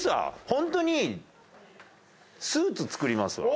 ホントにスーツ作りますわ。